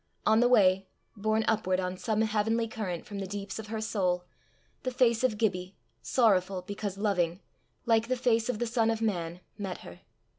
On the way borne upward on some heavenly current from the deeps of her soul, the face of Gibbie, sorrowful because loving, like the face of the Son of Man, met her.